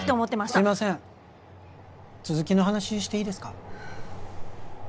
すいません続きの話していいですか？